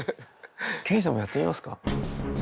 刑事さんもやってみますか？